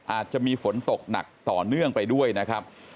อาจจะมีฝนตกหนักต่อเนื่องไปด้วยนะครับ